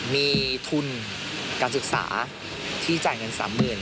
มีทุนการศึกษาที่จ่ายเงิน๓๐๐๐